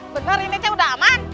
benar ini aja udah aman